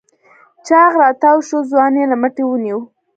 چاغ راتاوشو ځوان يې له مټې ونيو.